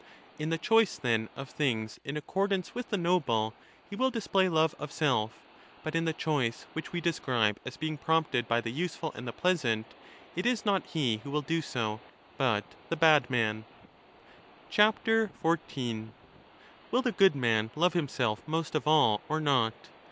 In the choice, then, of things in accordance with the noble he will display love of self, but in the choice which we describe as being prompted by the useful and the pleasant it is not he who will do so, but the bad man. 14 Will the good man love himself most of all or not?